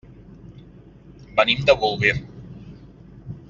Venim de Bolvir.